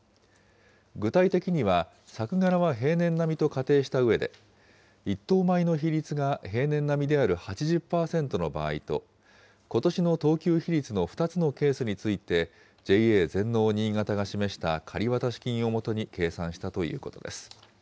具体的には、作柄は平年並みと仮定したうえで、１等米の比率が平年並みである８０％の場合と、ことしの等級比率の２つのケースについて、ＪＡ全農にいがたが示した仮渡し金を基に計算したということです。